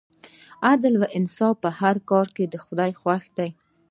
عدل او انصاف په هر کار کې د خدای خوښ دی.